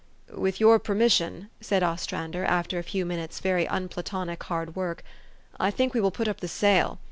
" With your permission," said Ostrander after a few minutes' very unplatonic hard work, " I think we will put up the sail.